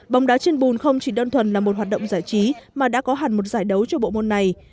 bóng đá trên bùn không chỉ đơn thuần là một hoạt động giải trí mà đã có hẳn một giải đấu cho bộ môn này